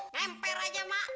ngempel aja mak